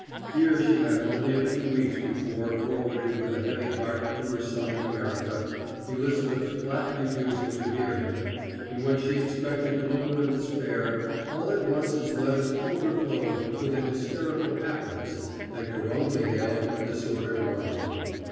Here she had only a few weeks before forwarded with a heavy heart to her son in America Elisabeth's flat refusal to hear him, and when she expected gloom and despair, all at once his letters overflowed with a hysterical happiness that could only hail from a disordered mind.